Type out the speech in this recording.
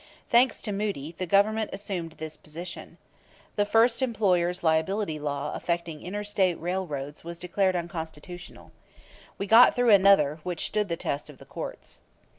Thanks to Moody, the Government assumed this position. The first employers' liability law affecting inter State railroads was declared unconstitutional. We got through another, which stood the test of the courts.